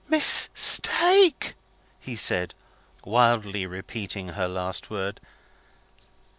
"Mistake?" he said, wildly repeating her last word.